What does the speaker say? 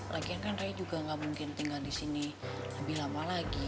lagian kan ray juga nggak mungkin tinggal di sini lebih lama lagi